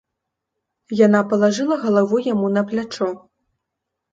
Яна палажыла галаву яму на плячо.